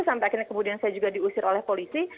sampai akhirnya kemudian saya juga diusir oleh polisi